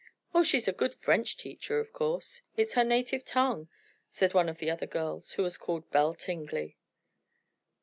"Oh, she's a good French teacher of course. It's her native tongue," said one of the other girls, who was called Belle Tingley.